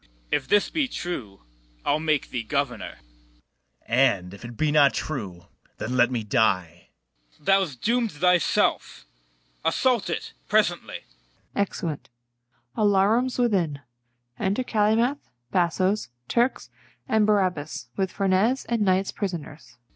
CALYMATH. If this be true, I'll make thee governor. BARABAS. And, if it be not true, then let me die. CALYMATH. Thou'st doom'd thyself. Assault it presently.